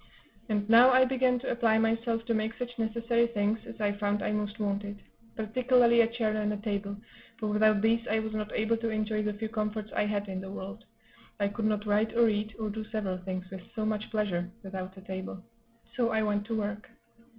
And now I began to apply myself to make such necessary things as I found I most wanted, particularly a chair and a table; for without these I was not able to enjoy the few comforts I had in the world I could not write or eat, or do several things, with so much pleasure without a table; so I went to work.